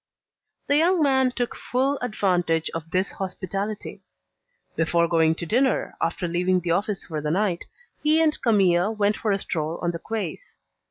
The young man took full advantage of this hospitality. Before going to dinner, after leaving the office for the night, he and Camille went for a stroll on the quays.